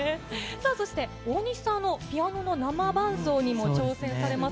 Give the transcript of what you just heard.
さあ、そして、大西さんのピアノの生伴奏にも挑戦されます。